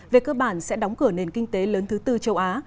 về cơ bản sẽ đóng cửa nền kinh tế lớn thứ tư châu á